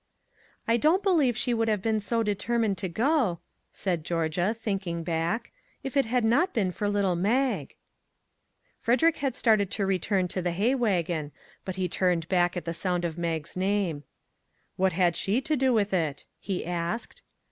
" I don't believe she would have been so de termined to go," said Georgia, thinking back, " if it had not been for little Mag." Frederick had started to return to the hay wagon, but he turned back at the sound of Mag's name. " What had she to do with it? " he asked.